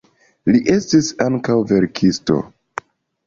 Li estis ankaŭ verkisto.